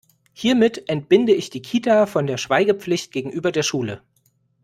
Hiermit entbinde ich die Kita von der Schweigepflicht gegenüber der Schule.